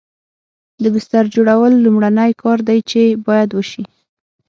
د بستر جوړول لومړنی کار دی چې باید وشي